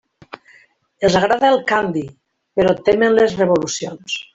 Els agrada el canvi; però temen les revolucions.